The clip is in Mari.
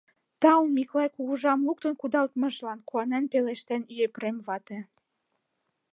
— Тау Миклай кугыжам луктын кудалтымыжлан! — куанен пелештен Епрем вате.